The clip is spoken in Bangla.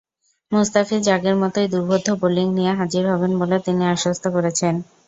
মুস্তাফিজ আগের মতোই দুর্বোধ্য বোলিং নিয়ে হাজির হবেন বলে তিনি আশ্বস্ত করেছেন।